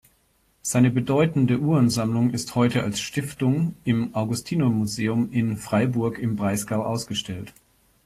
Seine bedeutende Uhrensammlung ist heute als Stiftung im Augustinermuseum in Freiburg im Breisgau ausgestellt.